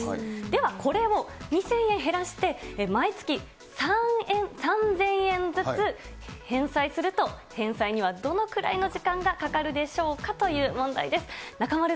ではこれを２０００円減らして、毎月３０００円ずつ返済すると、返済にはどのくらいの時間がかかるでしょうかという問題です。